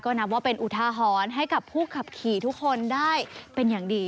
นับว่าเป็นอุทาหรณ์ให้กับผู้ขับขี่ทุกคนได้เป็นอย่างดี